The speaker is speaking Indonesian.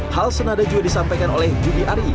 hal senada juga disampaikan oleh judi ari